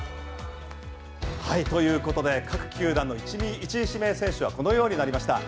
ということで各球団の１位指名選手はこのようになりました。